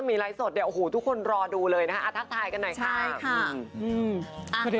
มีอะไรสดเดี๋ยวทุกคนรอดูเลยนะฮะอาทักทายกันหน่อยค่ะใช่ค่ะอ่า